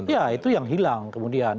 ya itu yang hilang kemudian